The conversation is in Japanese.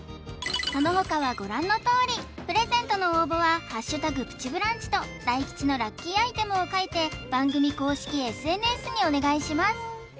そのほかはご覧のとおりプレゼントの応募は「＃プチブランチ」と大吉のラッキーアイテムを書いて番組公式ＳＮＳにお願いします